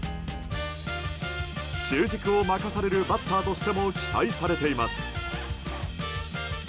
中軸を任されるバッターとしても期待されています。